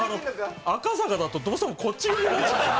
赤坂だと、どうしてもこっちになっちゃう。